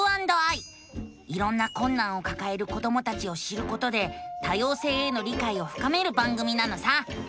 いろんなこんなんをかかえる子どもたちを知ることで多様性への理解をふかめる番組なのさ！